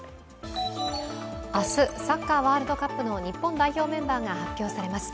明日、サッカーワールドカップの日本代表メンバーが発表されます。